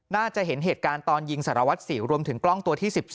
น่าจะเห็นเหตุการณ์ตอนยิงสารวัตรสิวรวมถึงกล้องตัวที่๑๒